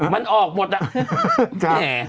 มันออกหมดอ่ะ